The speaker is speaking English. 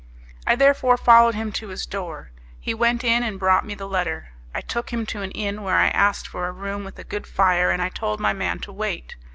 I therefore followed him to his door; he went in and brought me the letter. I took him to an inn, where I asked for a room with a good fire, and I told my man to wait.